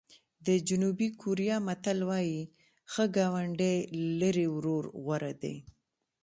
د جنوبي کوریا متل وایي ښه ګاونډی له لرې ورور غوره دی.